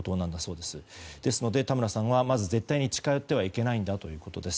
ですので田村さんは絶対に近寄ってはいけないんだということです。